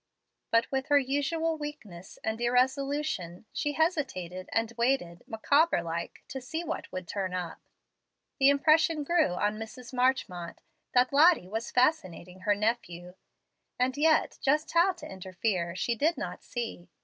But with her usual weakness and irresolution she hesitated and waited, Micawber like, to see what would "turn up." The impression grew on Mrs. Marchmont that Lottie was fascinating her nephew; and yet just how to interfere she did not see.